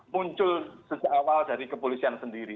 muncul sejak awal dari kepolisian sendiri